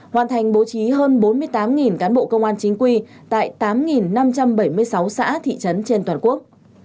hoàn thành bố trí hơn bốn mươi tám cán bộ công an chính quy tại tám năm trăm bảy mươi sáu xã thị trấn trên toàn quốc